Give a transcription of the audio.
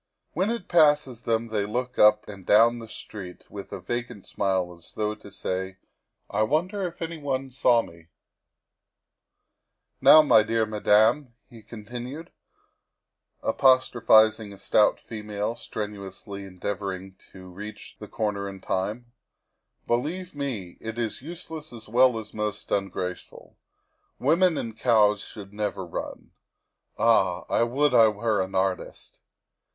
When it passes them they look up and down the street with a vacant smile, as though to say, ' I wonder if anybody saw me ?'" Now, my dear Madame," he continued, apostro phizing a stout female strenuously endeavoring to reach the corner in time, " believe me, it is useless as well as most ungraceful. Women and cows should never run. Ah ! I would I were an artist